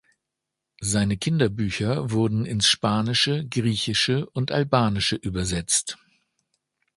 Seine Kinderbücher wurden ins Spanische, Griechische und Albanische übersetzt.